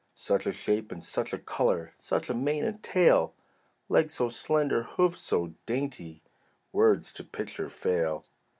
Such a shape! and such a color! Such a mane and tail! Legs so slender, hoofs so dainty, Words to picture fail.